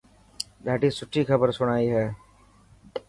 ڏاڌي سٺي کبر سڻائي هي.